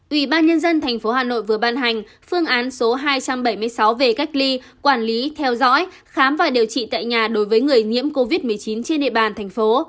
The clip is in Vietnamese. ủy ban nhân dân tp hà nội vừa ban hành phương án số hai trăm bảy mươi sáu về cách ly quản lý theo dõi khám và điều trị tại nhà đối với người nhiễm covid một mươi chín trên địa bàn thành phố